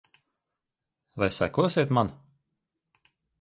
Vai sekosiet man?